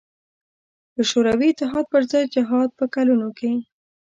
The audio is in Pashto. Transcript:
له شوروي اتحاد پر ضد جهاد په کلونو کې.